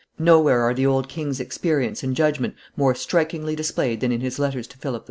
Nowhere are the old king's experience and judgment more strikingly displayed than in his letters to Philip V.